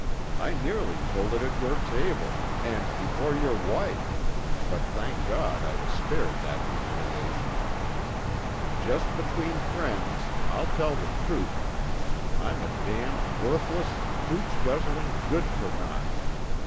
I nearly told it at your table, and before your wife, but thank God I was spared that humiliation. Just between friends, I'll tell the truth I'm a damned worthless, hooch guzzling good for naught!